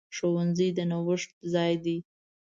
ښوونځی د نوښت ځای دی.